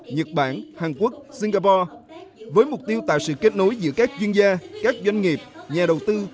nhật bản hàn quốc singapore với mục tiêu tạo sự kết nối giữa các chuyên gia các doanh nghiệp nhà đầu tư